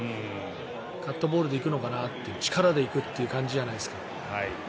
カットボールで行くのかなという力で行く感じじゃないですか。